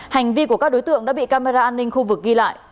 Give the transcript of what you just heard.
hành vi của các đối tượng đã bị camera an ninh khu vực ghi lại